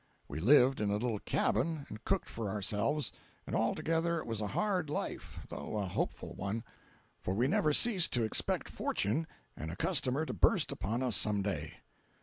We lived in a little cabin and cooked for ourselves; and altogether it was a hard life, though a hopeful one—for we never ceased to expect fortune and a customer to burst upon us some day.